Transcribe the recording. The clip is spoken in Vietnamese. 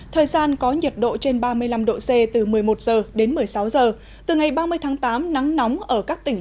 thời gian có nhiệt độ trên ba mươi năm độ c từ một mươi một h đến một mươi sáu h từ ngày ba mươi tháng tám nắng nóng ở các tỉnh